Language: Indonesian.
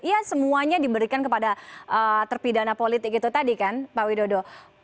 iya semuanya diberikan kepada terpidana politik itu tadi kan pak widodo